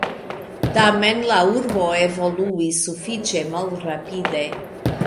Tamen la urbo evoluis sufiĉe malrapide.